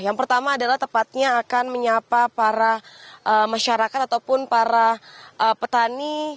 yang pertama adalah tepatnya akan menyapa para masyarakat ataupun para petani